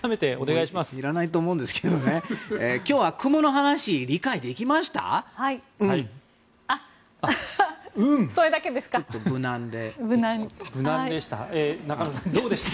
いらないと思いますが今日は雲の話、理解できました？